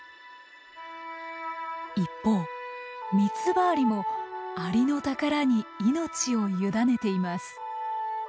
一方ミツバアリもアリノタカラに命を委ねています。